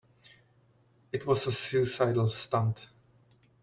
It was a suicidal stunt.